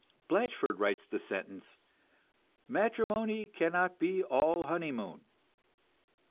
Blatchford writes the sentence, "Matrimony cannot be all honeymoon."